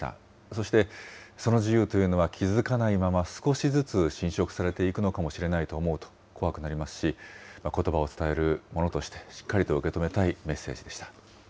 そして、その自由というのは気付かないまま、少しずつ浸食されていくのかもしれないと思うと怖くなりますし、ことばを伝えるものとして、しっかりと受け止めたいメッセージでした。